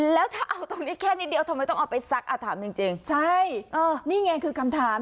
แล้วถ้าเอาตรงนี้แค่นิดเดียวทำไมต้องเอาไปซักอ่ะถามจริงจริงใช่นี่ไงคือคำถาม